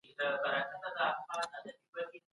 يو کوچنى شل سېبه لري.